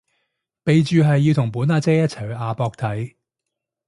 備註係要同本阿姐一齊去亞博睇